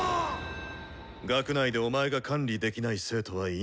学内でお前が管理できない生徒はいないだろう。